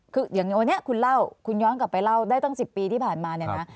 คืออย่างนี้วันนี้คุณเล่าคุณย้อนกลับไปเล่าได้ตั้ง๑๐ปีที่ผ่านมาเนี่ยนะ